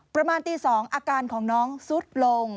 ประมาณตี๒อาการของน้องสุดลง